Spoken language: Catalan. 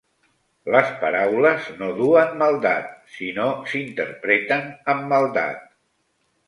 Les paraules no duen maldat si no s'interpreten amb maldat.